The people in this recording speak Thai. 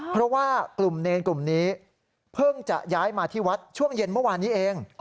เพราะว่ากลุ่มเนรกลุ่มนี้เพิ่งจะย้ายมาที่วัดช่วงเย็นเมื่อวานนี้เอง